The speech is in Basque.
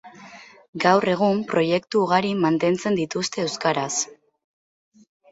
Gaur egun proiektu ugari mantentzen dituzte Euskaraz.